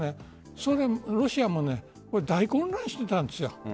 ロシアも大混乱してたんですよ。